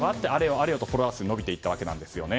あれよとフォロワー数が伸びていったんですね。